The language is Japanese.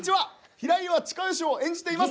平岩親吉を演じています。